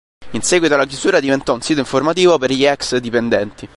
In seguito alla chiusura diventò un sito informativo per gli ex-dipendenti.